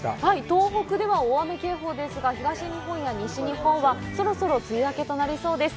東北では大雨警報ですが、東日本や西日本は、そろそろ梅雨明けとなりそうです。